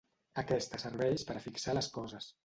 Aquesta serveix per a fixar les coses.